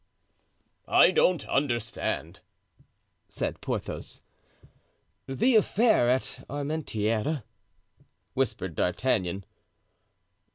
"I don't understand," said Porthos. "The affair at Armentieres," whispered D'Artagnan.